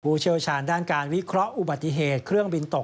เชี่ยวชาญด้านการวิเคราะห์อุบัติเหตุเครื่องบินตก